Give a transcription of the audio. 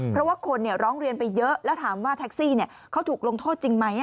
เพราะว่าคนร้องเรียนไปเยอะแล้วถามว่าแท็กซี่เขาถูกลงโทษจริงไหม